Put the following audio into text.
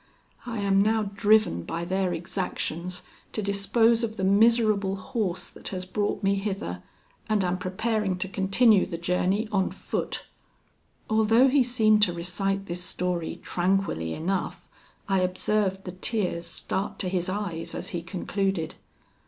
I am now driven by their exactions to dispose of the miserable horse that has brought me hither, and am preparing to continue the journey on foot." Although he seemed to recite this story tranquilly enough, I observed the tears start to his eyes as he concluded.